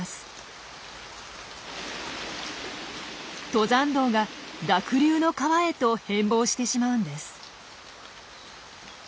登山道が濁流の川へと変貌してしまうんです。